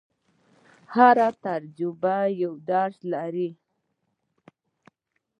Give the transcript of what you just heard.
هره تجربه یو درس لري.